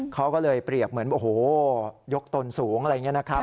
เขาก็เลยเปรียบเหมือนโอ้โหยกตนสูงอะไรอย่างนี้นะครับ